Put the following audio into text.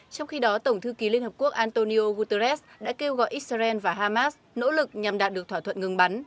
trong khi đó tổng thư ký liên hợp quốc antonio guterres đã kêu gọi israel và hamas nỗ lực nhằm đạt được thỏa thuận ngừng bắn